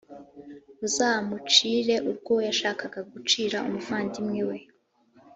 muzamucire urwo yashakaga gucira umuvandimwe we.